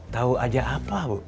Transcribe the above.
tau aja apa bu